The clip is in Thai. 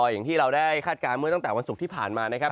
อย่างที่เราได้คาดการณ์เมื่อตั้งแต่วันศุกร์ที่ผ่านมานะครับ